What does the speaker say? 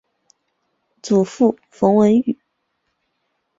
祖父冯文玉。